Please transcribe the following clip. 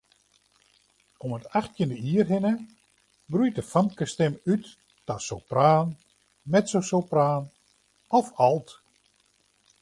Om it achttjinde jier hinne groeit de famkesstim út ta sopraan, mezzosopraan of alt.